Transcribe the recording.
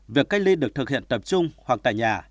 việc cách ly được thực hiện tập trung hoặc tại nhà